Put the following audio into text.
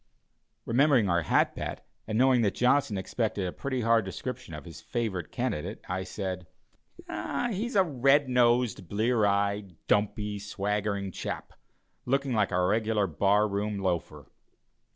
Remembering our hat bet, and knowing that Johnson expected a pretty hard description of his favorite candidate, I said: "He is a red nosed, blear eyed, dumpy, swaggering chap, looking like a regular bar room loafer."